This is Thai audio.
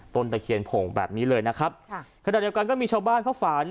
ตะเคียนโผ่งแบบนี้เลยนะครับค่ะขณะเดียวกันก็มีชาวบ้านเขาฝัน